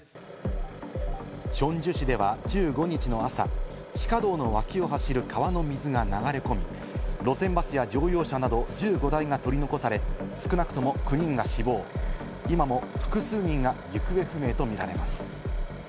チョンジュ市では１５日の朝、地下道の脇を走る川の水が流れ込み、路線バスや乗用車など１５台が取り残され、少なくとも９人が死亡、今も複数人が行方不明と見られます。